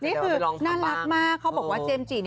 นี่คือน่ารักมากเขาบอกว่าเจมส์จิ